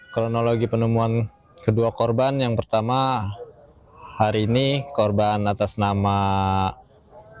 kronologi penemuan kedua korban yang pertama hari ini korban atas nama kaira salma itu kita temukan